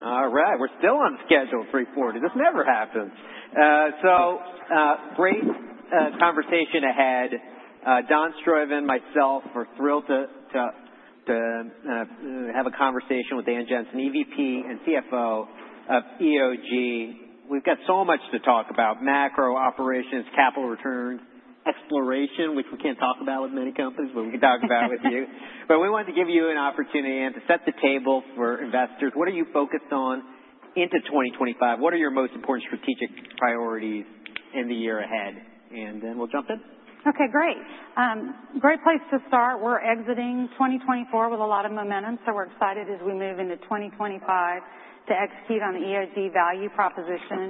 All right. We're still on schedule, 3:40 P.M. This never happens, so great conversation ahead. Daan Struyven, myself, we're thrilled to have a conversation with Ann Janssen, EVP and CFO of EOG. We've got so much to talk about: macro operations, capital returns, exploration, which we can't talk about with many companies, but we can talk about with you. But we wanted to give you an opportunity to set the table for investors. What are you focused on into 2025? What are your most important strategic priorities in the year ahead? And then we'll jump in. Okay, great. Great place to start. We're exiting 2024 with a lot of momentum, so we're excited as we move into 2025 to execute on the EOG value proposition.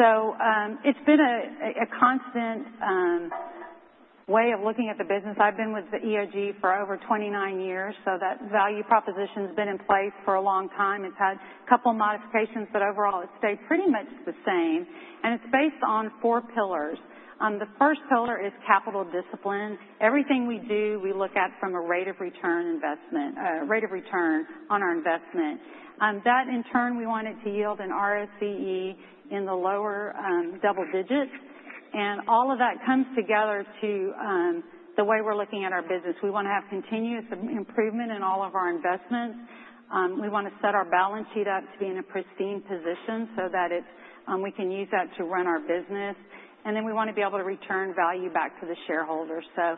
So, it's been a constant way of looking at the business. I've been with the EOG for over 29 years, so that value proposition's been in place for a long time. It's had a couple modifications, but overall it stayed pretty much the same. And it's based on four pillars. The first pillar is capital discipline. Everything we do, we look at from a rate of return investment, rate of return on our investment. That in turn, we want it to yield a ROCE in the lower double digits. And all of that comes together to the way we're looking at our business. We wanna have continuous improvement in all of our investments. We wanna set our balance sheet up to be in a pristine position so that it's we can use that to run our business. And then we wanna be able to return value back to the shareholders. So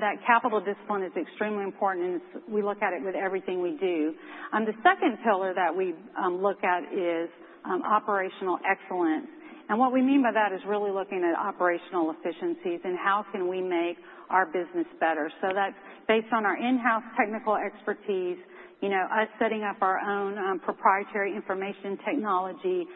that capital discipline is extremely important, and it's we look at it with everything we do. The second pillar that we look at is operational excellence. And what we mean by that is really looking at operational efficiencies and how can we make our business better. So that's based on our in-house technical expertise, you know, us setting up our own proprietary information technology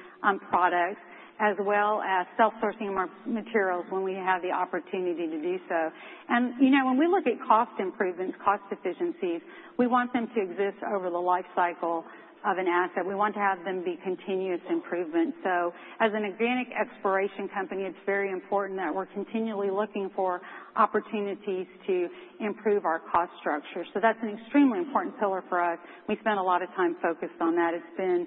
products, as well as self-sourcing of our materials when we have the opportunity to do so. And you know, when we look at cost improvements, cost efficiencies, we want them to exist over the life cycle of an asset. We want to have them be continuous improvement. As an organic exploration company, it's very important that we're continually looking for opportunities to improve our cost structure. That's an extremely important pillar for us. We spend a lot of time focused on that. It's been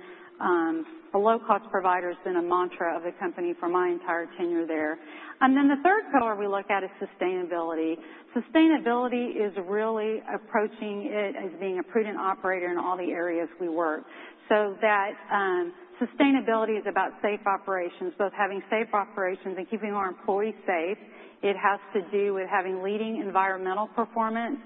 a low-cost provider has been a mantra of the company for my entire tenure there. The third pillar we look at is sustainability. Sustainability is really approaching it as being a prudent operator in all the areas we work. Sustainability is about safe operations, both having safe operations and keeping our employees safe. It has to do with having leading environmental performance.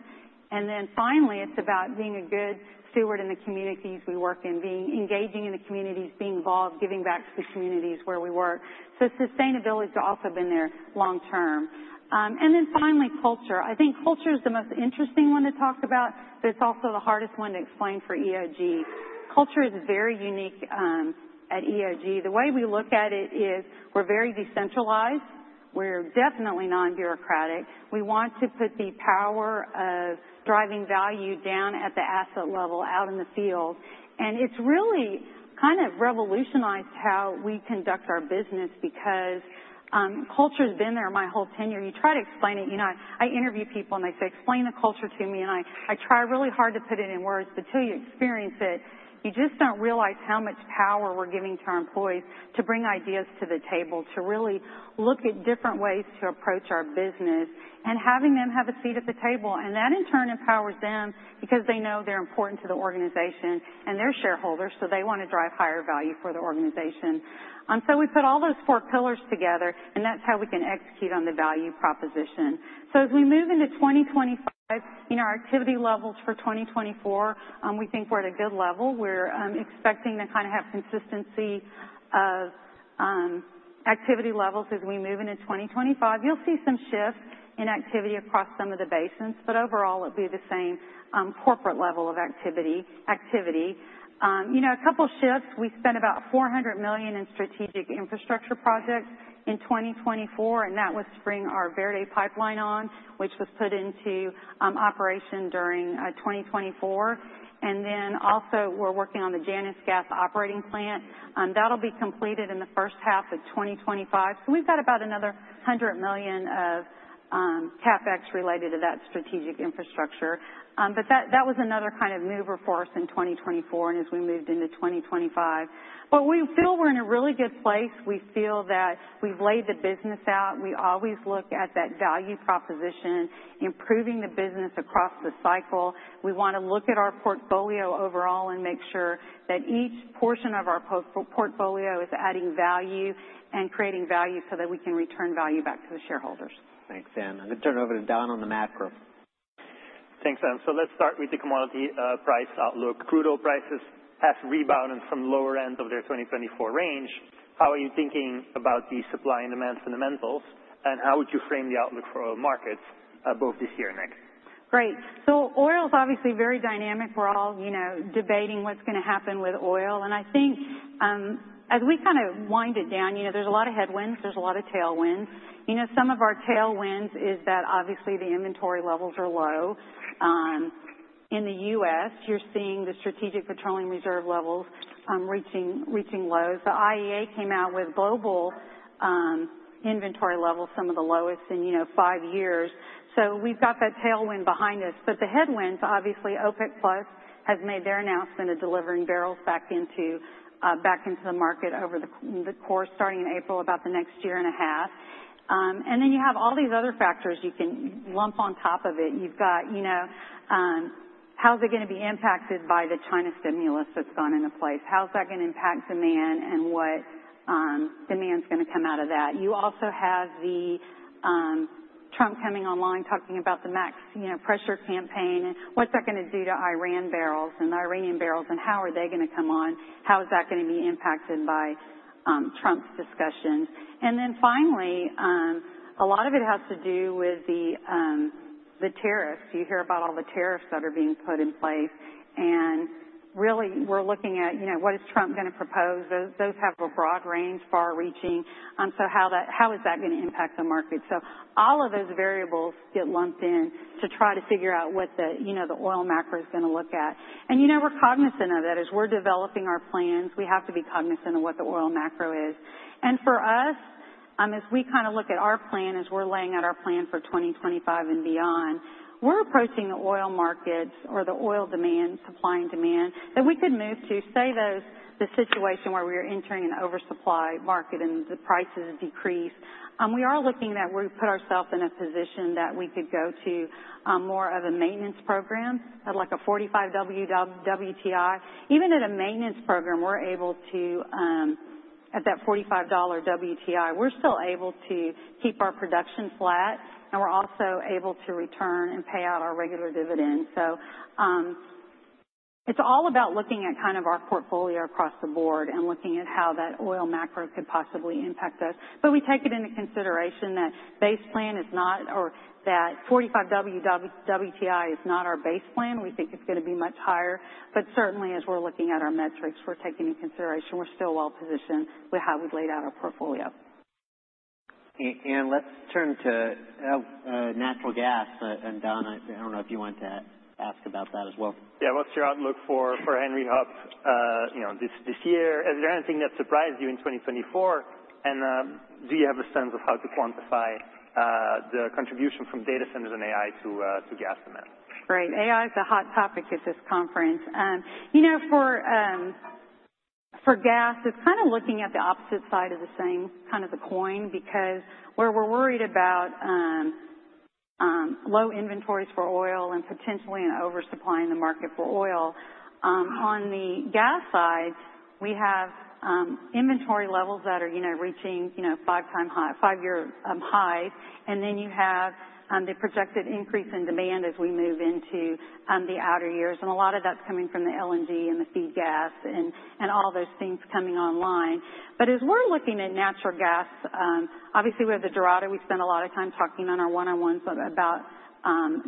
Then finally, it's about being a good steward in the communities we work in, being engaging in the communities, being involved, giving back to the communities where we work. So sustainability's also been there long-term, and then finally, culture. I think culture's the most interesting one to talk about, but it's also the hardest one to explain for EOG. Culture is very unique at EOG. The way we look at it is we're very decentralized. We're definitely non-bureaucratic. We want to put the power of driving value down at the asset level out in the field. And it's really kind of revolutionized how we conduct our business because culture's been there my whole tenure. You try to explain it, you know. I interview people and they say, "Explain the culture to me." And I try really hard to put it in words, but till you experience it, you just don't realize how much power we're giving to our employees to bring ideas to the table, to really look at different ways to approach our business and having them have a seat at the table. And that in turn empowers them because they know they're important to the organization and they're shareholders, so they wanna drive higher value for the organization. So we put all those four pillars together, and that's how we can execute on the value proposition. So as we move into 2025, you know, our activity levels for 2024, we think we're at a good level. We're expecting to kind of have consistency of activity levels as we move into 2025. You'll see some shifts in activity across some of the basins, but overall it'll be the same corporate level of activity. You know, a couple shifts. We spent about $400 million in strategic infrastructure projects in 2024, and that was to bring our Verde Pipeline on, which was put into operation during 2024. And then also we're working on the Janus Gas Operating Plant. That'll be completed in the first half of 2025. So we've got about another $100 million of CapEx related to that strategic infrastructure. But that was another kind of mover for us in 2024 and as we moved into 2025. But we feel we're in a really good place. We feel that we've laid the business out. We always look at that value proposition, improving the business across the cycle. We wanna look at our portfolio overall and make sure that each portion of our portfolio is adding value and creating value so that we can return value back to the shareholders. Thanks, Ann. I'm gonna turn it over to Daan on the macro. Thanks, Ann. So let's start with the commodity price outlook. Crude oil prices have rebounded from the lower end of their 2024 range. How are you thinking about the supply and demand fundamentals, and how would you frame the outlook for our markets, both this year and next? Great. So oil's obviously very dynamic. We're all, you know, debating what's gonna happen with oil. And I think, as we kind of wind it down, you know, there's a lot of headwinds. There's a lot of tailwinds. You know, some of our tailwinds is that obviously the inventory levels are low. In the U.S., you're seeing the Strategic Petroleum Reserve levels, reaching lows. The IEA came out with global inventory levels, some of the lowest in, you know, five years. So we've got that tailwind behind us. But the headwinds, obviously, OPEC+ has made their announcement of delivering barrels back into the market over the course starting in April, about the next year and a half. And then you have all these other factors you can lump on top of it. You've got, you know, how's it gonna be impacted by the China stimulus that's gone into place? How's that gonna impact demand and what demand's gonna come out of that? You also have the Trump coming online talking about the max, you know, pressure campaign and what's that gonna do to Iran barrels and the Iranian barrels and how are they gonna come on? How is that gonna be impacted by Trump's discussions? And then finally, a lot of it has to do with the tariffs. You hear about all the tariffs that are being put in place. And really we're looking at, you know, what is Trump gonna propose? Those, those have a broad range, far-reaching. So how that, how is that gonna impact the market? All of those variables get lumped in to try to figure out what the, you know, the oil macro's gonna look like. And you know, we're cognizant of that as we're developing our plans. We have to be cognizant of what the oil macro is. And for us, as we kind of look at our plan, as we're laying out our plan for 2025 and beyond, we're approaching the oil markets or the oil demand, supply and demand that we could move to, say, those, the situation where we are entering an oversupply market and the prices decrease. We are looking at where we put ourselves in a position that we could go to more of a maintenance program, like $45 WTI. Even at a maintenance program, we're able to, at that $45 WTI, we're still able to keep our production flat, and we're also able to return and pay out our regular dividends. So, it's all about looking at kind of our portfolio across the board and looking at how that oil macro could possibly impact us. But we take it into consideration that base plan is not, or that $45 WTI is not our base plan. We think it's gonna be much higher. But certainly, as we're looking at our metrics, we're taking into consideration we're still well-positioned with how we laid out our portfolio. And let's turn to natural gas. And Daan, I don't know if you wanted to ask about that as well. Yeah. What's your outlook for Henry Hub, you know, this year? Is there anything that surprised you in 2024? And do you have a sense of how to quantify the contribution from data centers and AI to gas demand? Right. AI's a hot topic at this conference. You know, for gas, it's kind of looking at the opposite side of the same kind of coin because we're worried about low inventories for oil and potentially an oversupply in the market for oil. On the gas side, we have inventory levels that are, you know, reaching, you know, five-year highs, and then you have the projected increase in demand as we move into the outer years, and a lot of that's coming from the LNG and the feed gas and all those things coming online, but as we're looking at natural gas, obviously we have the Dorado. We spend a lot of time talking on our one-on-ones about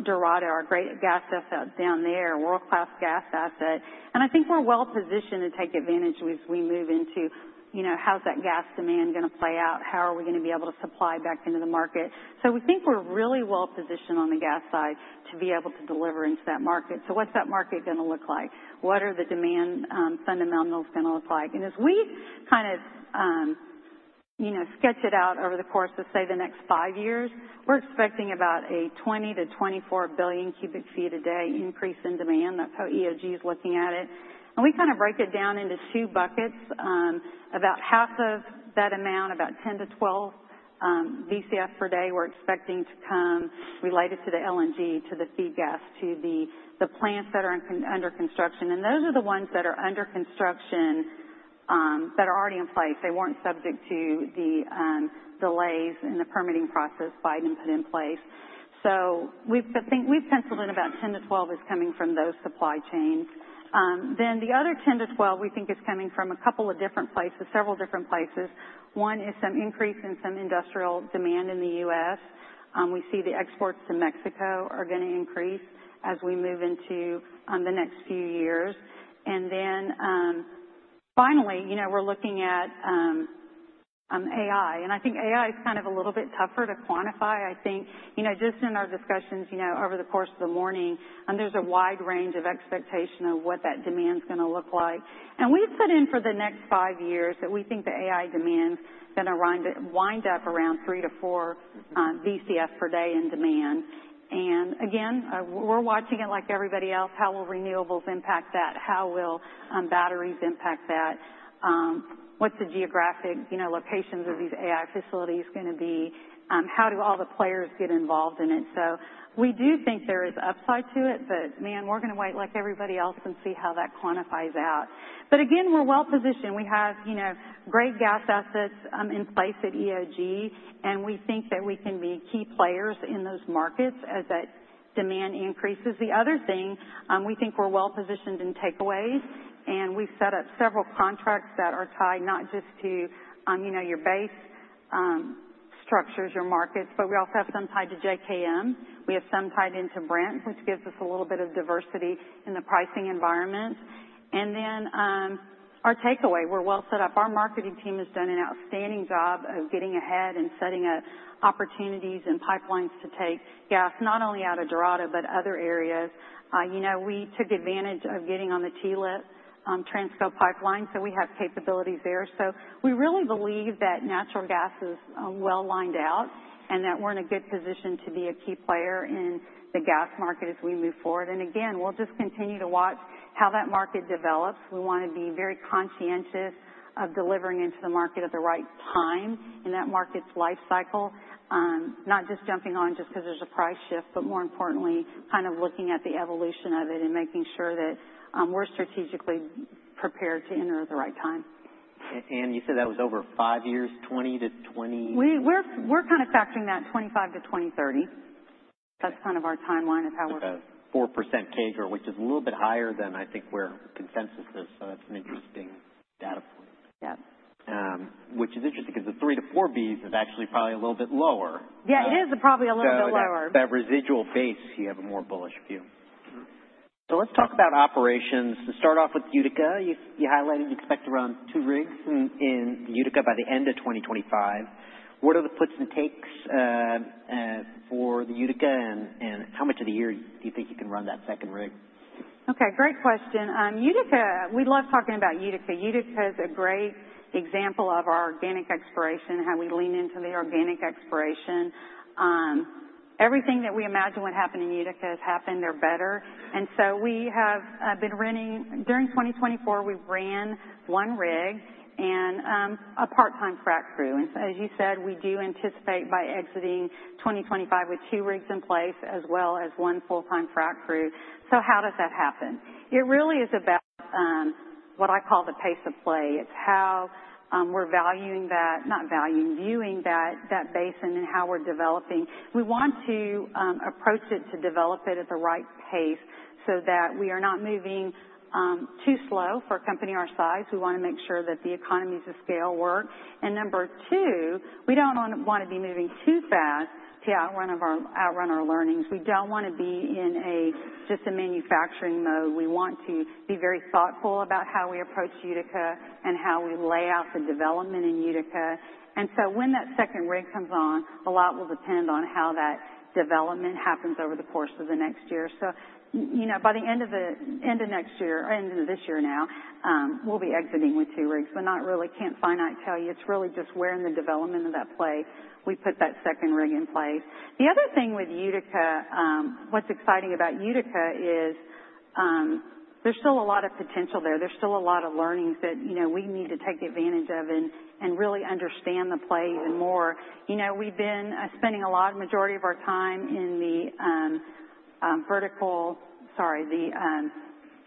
Dorado, our great gas asset down there, world-class gas asset. I think we're well-positioned to take advantage as we move into, you know, how's that gas demand gonna play out? How are we gonna be able to supply back into the market? So we think we're really well-positioned on the gas side to be able to deliver into that market. So what's that market gonna look like? What are the demand fundamentals gonna look like? And as we kind of, you know, sketch it out over the course of, say, the next five years, we're expecting about a 20 to 24 billion cubic feet a day increase in demand. That's how EOG's looking at it. And we kind of break it down into two buckets. About half of that amount, about 10 to 12 Bcf per day, we're expecting to come related to the LNG, to the feed gas, to the plants that are under construction. And those are the ones that are under construction, that are already in place. They weren't subject to the delays in the permitting process Biden put in place. So we've, I think we've penciled in about 10 to 12 is coming from those supply chains. Then the other 10 to 12 we think is coming from a couple of different places, several different places. One is some increase in some industrial demand in the U.S. We see the exports to Mexico are gonna increase as we move into the next few years. And then, finally, you know, we're looking at AI. And I think AI's kind of a little bit tougher to quantify. I think, you know, just in our discussions, you know, over the course of the morning, there's a wide range of expectation of what that demand's gonna look like. We've put in for the next five years that we think the AI demand's gonna wind up around three to four Bcf per day in demand. Again, we're watching it like everybody else. How will renewables impact that? How will batteries impact that? What's the geographic, you know, locations of these AI facilities gonna be? How do all the players get involved in it? We do think there is upside to it, but man, we're gonna wait like everybody else and see how that quantifies out. Again, we're well-positioned. We have, you know, great gas assets in place at EOG, and we think that we can be key players in those markets as that demand increases. The other thing, we think we're well-positioned in takeaways, and we've set up several contracts that are tied not just to, you know, your basis, structures, your markets, but we also have some tied to JKM. We have some tied into Brent, which gives us a little bit of diversity in the pricing environment, then our takeaway, we're well set up. Our marketing team has done an outstanding job of getting ahead and setting up opportunities and pipelines to take gas not only out of Dorado, but other areas. You know, we took advantage of getting on the TLIP, Transco pipeline, so we have capabilities there, so we really believe that natural gas is well-lined out and that we're in a good position to be a key player in the gas market as we move forward, and again we'll just continue to watch how that market develops. We wanna be very conscientious of delivering into the market at the right time in that market's life cycle, not just jumping on just 'cause there's a price shift, but more importantly, kind of looking at the evolution of it and making sure that we're strategically prepared to enter at the right time. And you said that was over five years, 20 to 20? We're kind of factoring that 25 to 2030. That's kind of our timeline of how we're. 4% CAGR, which is a little bit higher than I think where consensus is. So that's an interesting data point. Yes. which is interesting 'cause the three to four Bs is actually probably a little bit lower. Yeah, it is probably a little bit lower. So that residual base, you have a more bullish view. So let's talk about operations. To start off with Utica, you highlighted you expect to run two rigs in Utica by the end of 2025. What are the puts and takes for the Utica, and how much of the year do you think you can run that second rig? Okay. Great question. Utica, we love talking about Utica. Utica's a great example of our organic exploration, how we lean into the organic exploration. Everything that we imagine would happen in Utica has happened there better. And so we have been running during 2024. We ran one rig and a part-time frac crew. And so, as you said, we do anticipate by exiting 2025 with two rigs in place as well as one full-time frac crew. So how does that happen? It really is about what I call the pace of play. It's how we're viewing that basin and how we're developing. We want to approach it to develop it at the right pace so that we are not moving too slow for a company our size. We wanna make sure that the economies of scale work. Number two, we don't wanna be moving too fast to outrun our learnings. We don't wanna be in just a manufacturing mode. We want to be very thoughtful about how we approach Utica and how we lay out the development in Utica. When that second rig comes on, a lot will depend on how that development happens over the course of the next year. You know, by the end of next year, end of this year now, we'll be exiting with two rigs. We can't definitively tell you. It's really just where in the development of that play we put that second rig in place. The other thing with Utica, what's exciting about Utica is, there's still a lot of potential there. There's still a lot of learnings that, you know, we need to take advantage of and really understand the play even more. You know, we've been spending a lot, majority of our time in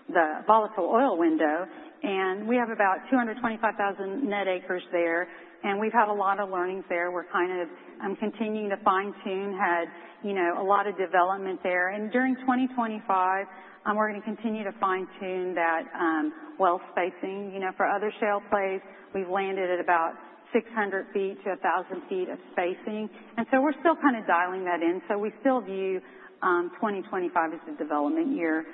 the volatile oil window, and we have about 225,000 net acres there, and we've had a lot of learnings there. We're kind of continuing to fine-tune you know a lot of development there, and during 2025, we're gonna continue to fine-tune that well spacing, you know, for other shale plays. We've landed at about 600 feet to 1,000 feet of spacing, and so we're still kind of dialing that in, so we still view 2025 as a development year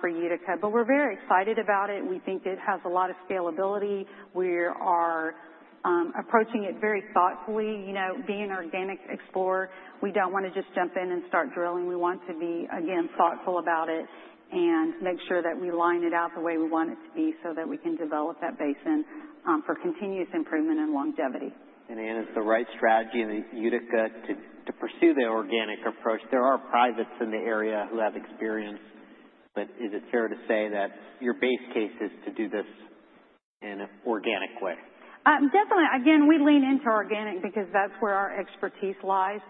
for Utica, but we're very excited about it. We think it has a lot of scalability. We are approaching it very thoughtfully. You know, being an organic explorer, we don't wanna just jump in and start drilling. We want to be, again, thoughtful about it and make sure that we line it out the way we want it to be so that we can develop that basin, for continuous improvement and longevity. Ann, is the right strategy in Utica to pursue the organic approach? There are privates in the area who have experience, but is it fair to say that your base case is to do this in an organic way? Definitely. Again, we lean into organic because that's where our expertise lies,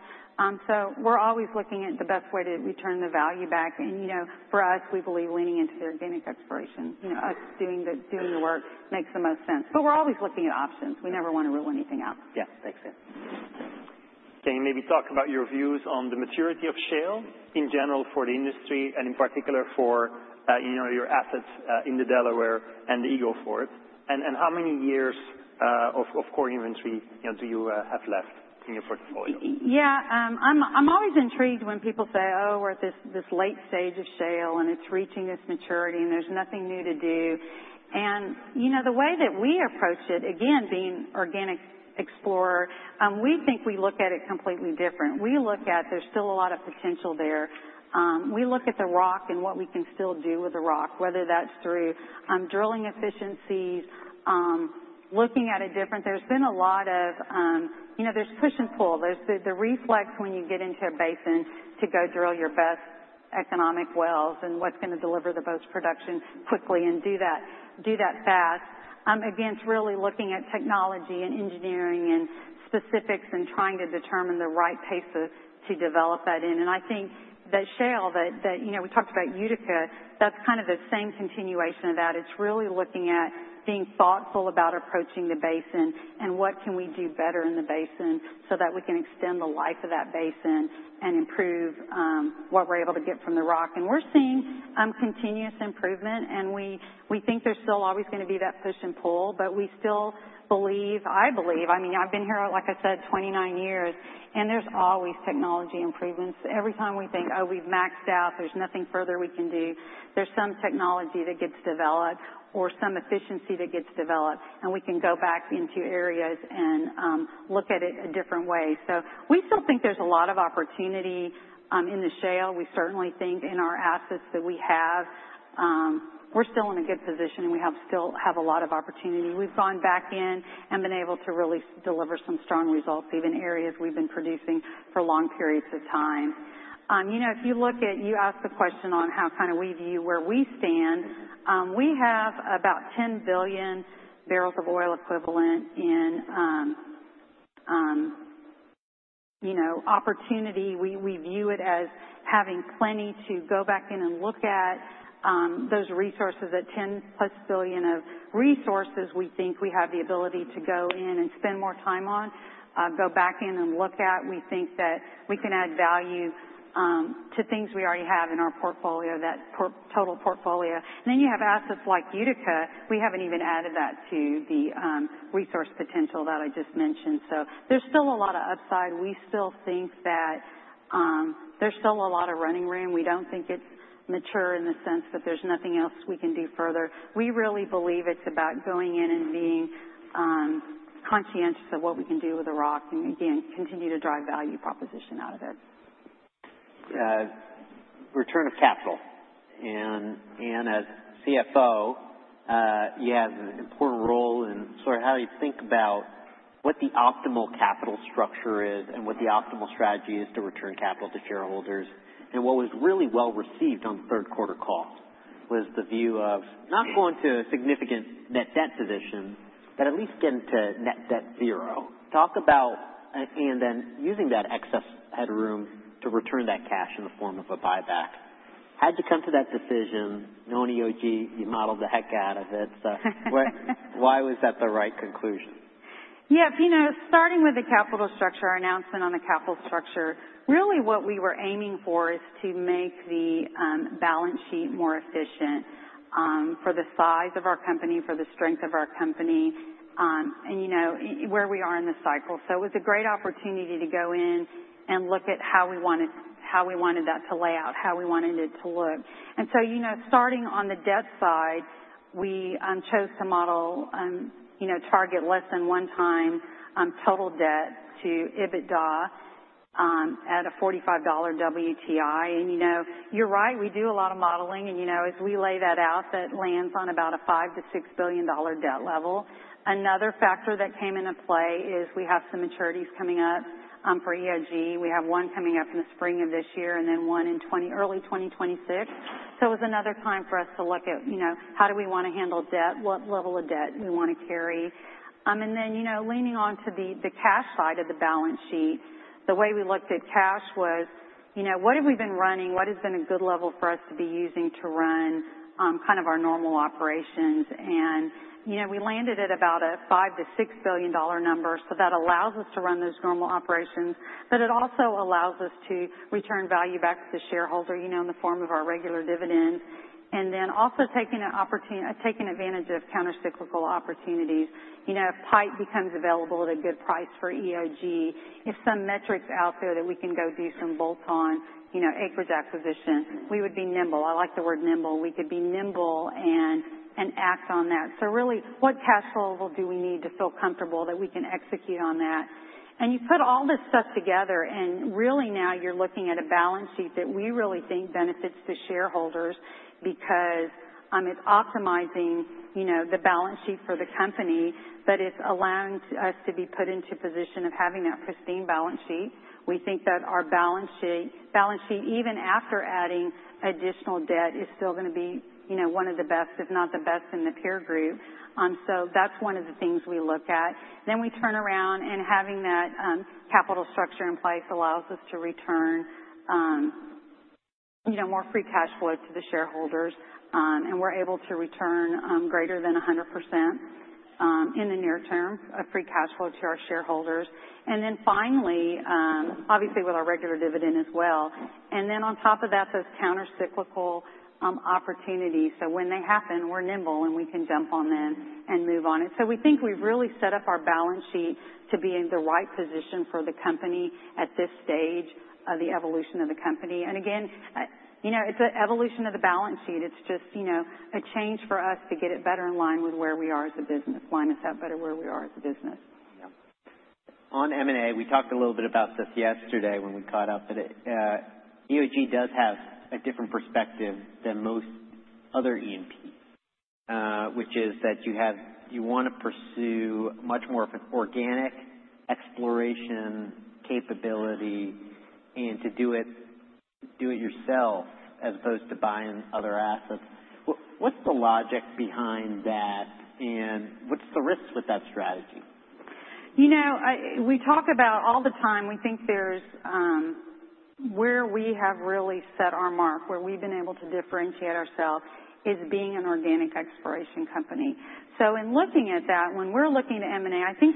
so we're always looking at the best way to return the value back, and you know, for us, we believe leaning into the organic exploration, you know, us doing the work makes the most sense, but we're always looking at options. We never wanna rule anything out. Yeah. Makes sense. Can you maybe talk about your views on the maturity of shale in general for the industry and in particular for, you know, your assets, in the Delaware and the Eagle Ford? And how many years of core inventory, you know, do you have left in your portfolio? Yeah. I'm always intrigued when people say, "Oh, we're at this late stage of shale, and it's reaching this maturity, and there's nothing new to do." And, you know, the way that we approach it, again, being organic explorer, we think we look at it completely different. We look at there's still a lot of potential there. We look at the rock and what we can still do with the rock, whether that's through drilling efficiencies, there's been a lot of, you know, there's push and pull. There's the reflex when you get into a basin to go drill your best economic wells and what's gonna deliver the most production quickly and do that fast. Again, it's really looking at technology and engineering and specifics and trying to determine the right pace to develop that in. I think that shale, that, you know, we talked about Utica. That's kind of the same continuation of that. It's really looking at being thoughtful about approaching the basin and what can we do better in the basin so that we can extend the life of that basin and improve what we're able to get from the rock. And we're seeing continuous improvement, and we think there's still always gonna be that push and pull, but we still believe. I believe, I mean, I've been here, like I said, 29 years, and there's always technology improvements. Every time we think, "Oh, we've maxed out, there's nothing further we can do," there's some technology that gets developed or some efficiency that gets developed, and we can go back into areas and look at it a different way. So we still think there's a lot of opportunity in the shale. We certainly think in our assets that we have, we're still in a good position, and we still have a lot of opportunity. We've gone back in and been able to really deliver some strong results, even areas we've been producing for long periods of time. You know, if you look at, you asked the question on how kind of we view where we stand, we have about 10 billion barrels of oil equivalent in, you know, opportunity. We, we view it as having plenty to go back in and look at, those resources, that 10+ billion of resources we think we have the ability to go in and spend more time on, go back in and look at. We think that we can add value to things we already have in our portfolio that are part of our total portfolio, and then you have assets like Utica. We haven't even added that to the resource potential that I just mentioned, so there's still a lot of upside. We still think that there's still a lot of running room. We don't think it's mature in the sense that there's nothing else we can do further. We really believe it's about going in and being conscious of what we can do with the rock and, again, continue to drive value proposition out of it. Return of capital. And, Ann, as CFO, you have an important role in sort of how you think about what the optimal capital structure is and what the optimal strategy is to return capital to shareholders. And what was really well received on the third quarter call was the view of not going to a significant net debt position, but at least getting to net debt zero. Talk about, and then using that excess headroom to return that cash in the form of a buyback. Had to come to that decision, you know, EOG, you modeled the heck out of it. So what, why was that the right conclusion? Yeah. You know, starting with the capital structure, our announcement on the capital structure, really what we were aiming for is to make the balance sheet more efficient, for the size of our company, for the strength of our company, and you know, where we are in the cycle. It was a great opportunity to go in and look at how we wanted that to lay out, how we wanted it to look. You know, starting on the debt side, we chose to model, you know, target less than one time total debt to EBITDA at a $45 WTI. You know, you're right, we do a lot of modeling, and you know, as we lay that out, that lands on about a $5 to $6 billion debt level. Another factor that came into play is we have some maturities coming up, for EOG. We have one coming up in the spring of this year and then one in 2020, early 2026. So it was another time for us to look at, you know, how do we wanna handle debt, what level of debt we wanna carry. And then, you know, leaning onto the cash side of the balance sheet, the way we looked at cash was, you know, what have we been running, what has been a good level for us to be using to run, kind of our normal operations. And, you know, we landed at about a $5 to $6 billion number, so that allows us to run those normal operations, but it also allows us to return value back to the shareholder, you know, in the form of our regular dividends. And then also taking an opportunity, taking advantage of countercyclical opportunities. You know, if pipe becomes available at a good price for EOG, if some metrics out there that we can go do some bolt-on, you know, acreage acquisition, we would be nimble. I like the word nimble. We could be nimble and act on that. So really, what cash level do we need to feel comfortable that we can execute on that? And you put all this stuff together, and really now you're looking at a balance sheet that we really think benefits the shareholders because it's optimizing, you know, the balance sheet for the company, but it's allowing us to be put into position of having that pristine balance sheet. We think that our balance sheet, even after adding additional debt, is still gonna be, you know, one of the best, if not the best in the peer group. So that's one of the things we look at. Then we turn around, and having that capital structure in place allows us to return, you know, more free cash flow to the shareholders. And we're able to return greater than 100% in the near term a free cash flow to our shareholders. And then finally, obviously with our regular dividend as well. And then on top of that, those countercyclical opportunities. So when they happen, we're nimble and we can jump on them and move on it. So we think we've really set up our balance sheet to be in the right position for the company at this stage of the evolution of the company. And again, you know, it's an evolution of the balance sheet. It's just, you know, a change for us to get it better in line with where we are as a business, line us out better where we are as a business. Yeah. On M&A, we talked a little bit about this yesterday when we caught up, but, EOG does have a different perspective than most other E&Ps, which is that you have, you wanna pursue much more of an organic exploration capability and to do it, do it yourself as opposed to buying other assets. What's the logic behind that and what's the risks with that strategy? You know, we talk about all the time, we think there's where we have really set our mark, where we've been able to differentiate ourselves is being an organic exploration company. So in looking at that, when we're looking to M&A, I think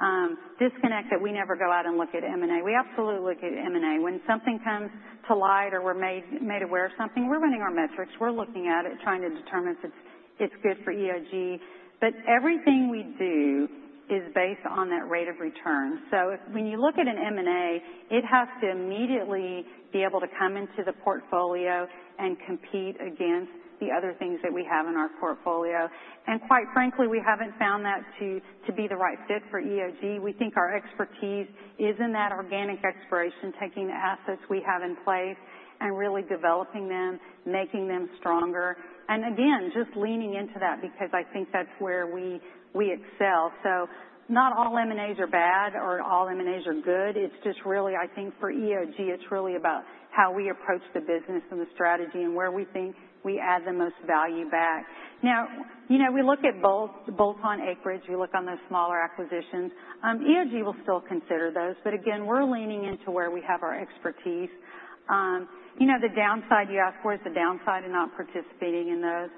there's this disconnect that we never go out and look at M&A. We absolutely look at M&A. When something comes to light or we're made aware of something, we're running our metrics, we're looking at it, trying to determine if it's good for EOG. But everything we do is based on that rate of return. So if when you look at an M&A, it has to immediately be able to come into the portfolio and compete against the other things that we have in our portfolio. And quite frankly, we haven't found that to be the right fit for EOG. We think our expertise is in that organic exploration, taking the assets we have in place and really developing them, making them stronger. And again, just leaning into that because I think that's where we, we excel. So not all M&As are bad or all M&As are good. It's just really, I think for EOG, it's really about how we approach the business and the strategy and where we think we add the most value back. Now, you know, we look at bolt, bolt-on acreage, we look on those smaller acquisitions. EOG will still consider those, but again, we're leaning into where we have our expertise. You know, the downside you ask, where's the downside in not participating in those?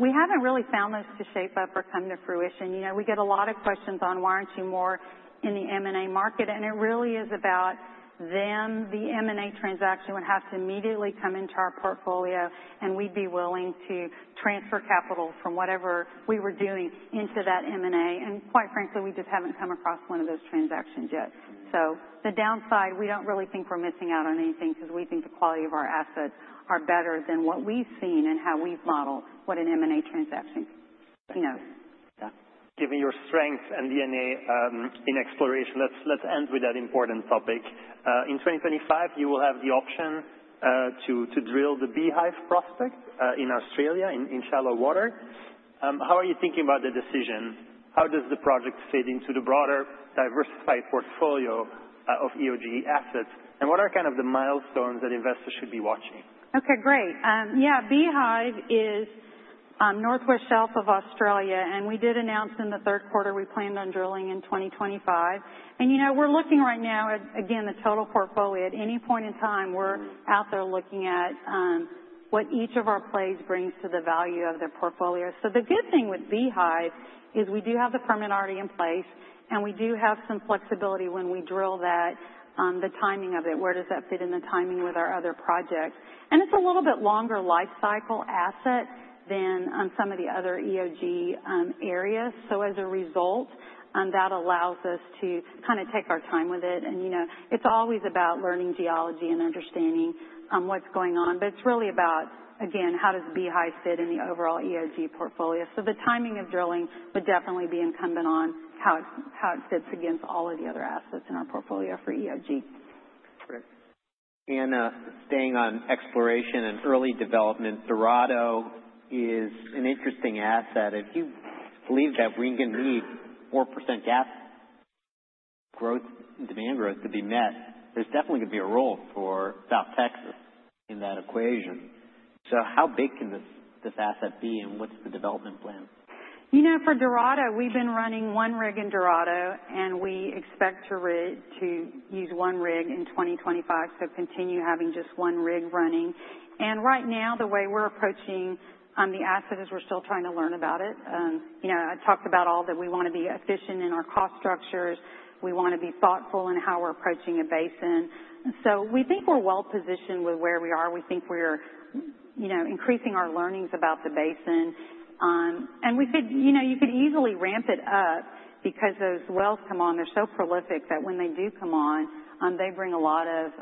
We haven't really found those to shape up or come to fruition. You know, we get a lot of questions on, why aren't you more in the M&A market? And it really is about them. The M&A transaction would have to immediately come into our portfolio, and we'd be willing to transfer capital from whatever we were doing into that M&A. And quite frankly, we just haven't come across one of those transactions yet. So the downside, we don't really think we're missing out on anything 'cause we think the quality of our assets are better than what we've seen and how we've modeled what an M&A transaction, you know. Given your strength and DNA in exploration, let's end with that important topic. In 2025, you will have the option to drill the Beehive prospect in Australia, in shallow water. How are you thinking about the decision? How does the project fit into the broader diversified portfolio of EOG assets, and what are kind of the milestones that investors should be watching? Okay. Great. Yeah, Beehive is Northwest Shelf of Australia, and we did announce in the third quarter we planned on drilling in 2025, and you know, we're looking right now at, again, the total portfolio. At any point in time, we're out there looking at what each of our plays brings to the value of the portfolio. So the good thing with Beehive is we do have the permit already in place, and we do have some flexibility when we drill that, the timing of it. Where does that fit in the timing with our other projects, and it's a little bit longer life cycle asset than some of the other EOG areas. So as a result, that allows us to kind of take our time with it. You know, it's always about learning geology and understanding what's going on, but it's really about, again, how does Beehive fit in the overall EOG portfolio. The timing of drilling would definitely be incumbent on how it fits against all of the other assets in our portfolio for EOG. Great. And, staying on exploration and early development, Dorado is an interesting asset. If you believe that we can meet 4% gas growth, demand growth to be met, there's definitely gonna be a role for South Texas in that equation. So how big can this, this asset be and what's the development plan? You know, for Dorado, we've been running one rig in Dorado, and we expect to rig, to use one rig in 2025, so continue having just one rig running. And right now, the way we're approaching the asset is we're still trying to learn about it. You know, I talked about all that we wanna be efficient in our cost structures. We wanna be thoughtful in how we're approaching a basin. So we think we're well positioned with where we are. We think we're, you know, increasing our learnings about the basin. And we could, you know, you could easily ramp it up because those wells come on. They're so prolific that when they do come on, they bring a lot of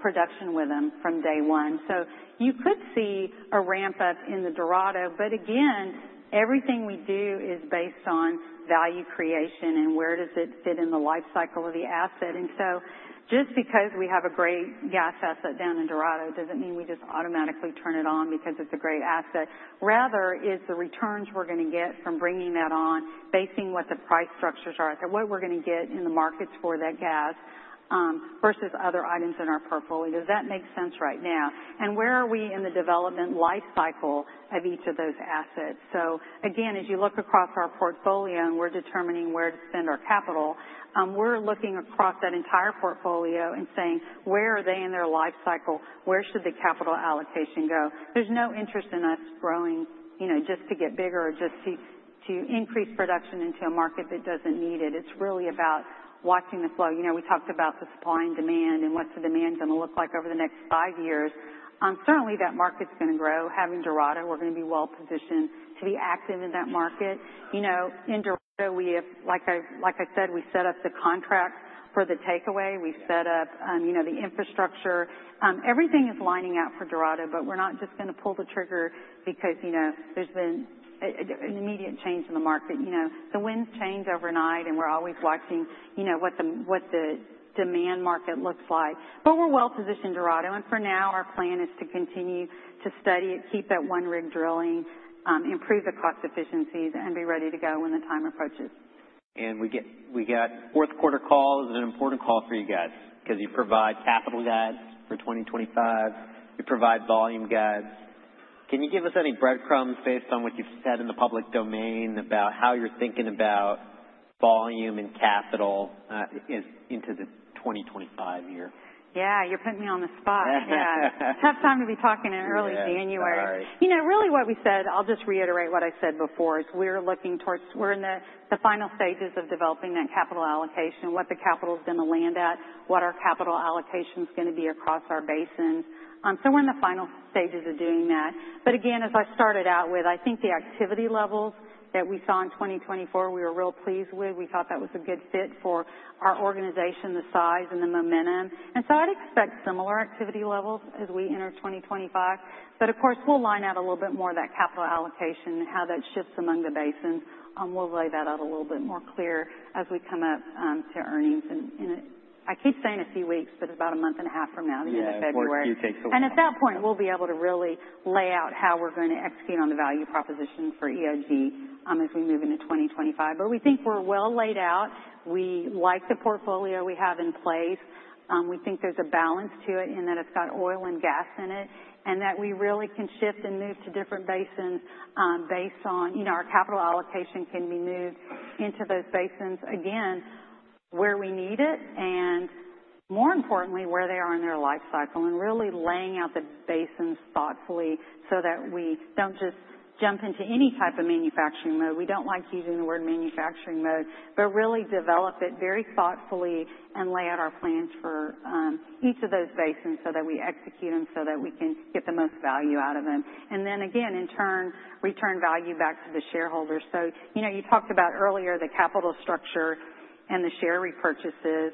production with them from day one. So you could see a ramp up in the Dorado. But again, everything we do is based on value creation and where does it fit in the life cycle of the asset, and so just because we have a great gas asset down in Dorado doesn't mean we just automatically turn it on because it's a great asset. Rather, it's the returns we're gonna get from bringing that on, basing what the price structures are at, what we're gonna get in the markets for that gas, versus other items in our portfolio. Does that make sense right now, and where are we in the development life cycle of each of those assets, so again, as you look across our portfolio and we're determining where to spend our capital, we're looking across that entire portfolio and saying, where are they in their life cycle? Where should the capital allocation go? There's no interest in us growing, you know, just to get bigger or just to increase production into a market that doesn't need it. It's really about watching the flow. You know, we talked about the supply and demand and what's the demand gonna look like over the next five years. Certainly that market's gonna grow. Having Dorado, we're gonna be well positioned to be active in that market. You know, in Dorado, we have, like I said, we set up the contract for the takeaway. We've set up, you know, the infrastructure. Everything is lining out for Dorado, but we're not just gonna pull the trigger because, you know, there's been an immediate change in the market. You know, the winds change overnight, and we're always watching, you know, what the demand market looks like. But we're well positioned in Dorado. For now, our plan is to continue to study it, keep that one rig drilling, improve the cost efficiencies, and be ready to go when the time approaches. We got fourth quarter call. Is it an important call for you guys? 'Cause you provide capital guides for 2025. You provide volume guides. Can you give us any breadcrumbs based on what you've said in the public domain about how you're thinking about volume and capital, as into the 2025 year? Yeah, you're putting me on the spot. Yeah. Tough time to be talking in early January. All right. You know, really what we said, I'll just reiterate what I said before, is we're looking towards, we're in the final stages of developing that capital allocation, what the capital's gonna land at, what our capital allocation's gonna be across our basin. So we're in the final stages of doing that. But again, as I started out with, I think the activity levels that we saw in 2024, we were real pleased with. We thought that was a good fit for our organization, the size and the momentum. I'd expect similar activity levels as we enter 2025. Of course, we'll line out a little bit more of that capital allocation and how that shifts among the basins. We'll lay that out a little bit more clear as we come up to earnings. I keep saying a few weeks, but it's about a month and a half from now, the end of February. A few weeks. You take the lead. At that point, we'll be able to really lay out how we're gonna execute on the value proposition for EOG, as we move into 2025. We think we're well laid out. We like the portfolio we have in place. We think there's a balance to it in that it's got oil and gas in it and that we really can shift and move to different basins, based on, you know, our capital allocation can be moved into those basins again, where we need it and more importantly, where they are in their life cycle and really laying out the basins thoughtfully so that we don't just jump into any type of manufacturing mode. We don't like using the word manufacturing mode, but really develop it very thoughtfully and lay out our plans for each of those basins so that we execute them so that we can get the most value out of them. And then again, in turn, return value back to the shareholders. So, you know, you talked about earlier the capital structure and the share repurchases.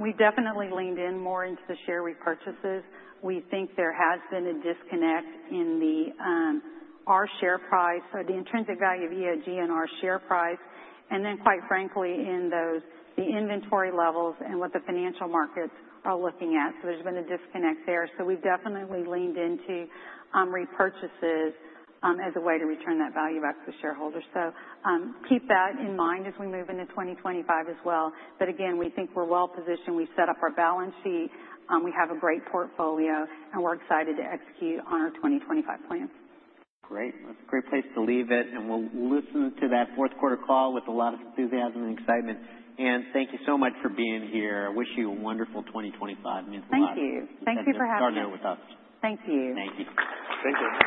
We definitely leaned in more into the share repurchases. We think there has been a disconnect in our share price so the intrinsic value of EOG and our share price. And then quite frankly, in those inventory levels and what the financial markets are looking at. So there's been a disconnect there. So we've definitely leaned into repurchases as a way to return that value back to the shareholders. So, keep that in mind as we move into 2025 as well. But again, we think we're well positioned. We set up our balance sheet. We have a great portfolio and we're excited to execute on our 2025 plan. Great. That's a great place to leave it, and we'll listen to that fourth quarter call with a lot of enthusiasm and excitement, and thank you so much for being here. I wish you a wonderful 2025. Thank you. Thank you for having me. Starting it with us. Thank you. Thank you. Thank you.